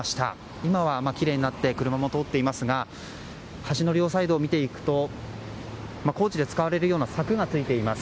今はきれいになって車も通っていますが橋の両サイドを見ていくと工事で使われるような柵がついています。